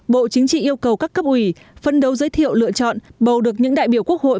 bộ chính trị yêu cầu các cấp ủy phân đấu giới thiệu lựa chọn bầu được những đại biểu quốc hội